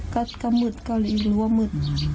ก็มืดก็เลยรู้ว่ามืด